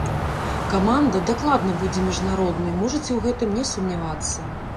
Каманда дакладна будзе міжнароднай, можаце ў гэтым не сумнявацца.